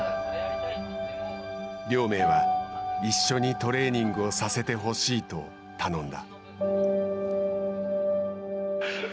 亮明は一緒にトレーニングをさせてほしいと頼んだ。